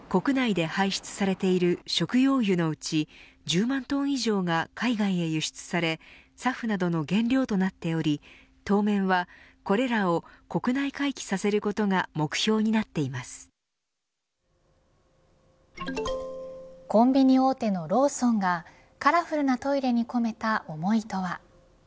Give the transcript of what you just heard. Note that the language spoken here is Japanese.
現在、国内で排出されている食用油のうち１０万トン以上が海外へ輸出されＳＡＦなどの原料となっており当面はこれらを国内回帰させることがコンビニ大手のローソンがカラフルなトイレに込めた思いとは。